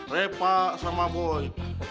repa sama boy